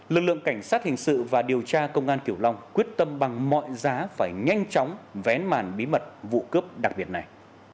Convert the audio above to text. lực lượng cảnh sát hình sự và điều tra công an kiểu long quyết tâm bằng mọi giá phải nhanh chóng vén màn bí mật vụ cướp đặc biệt này